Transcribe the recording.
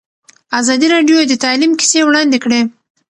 ازادي راډیو د تعلیم کیسې وړاندې کړي.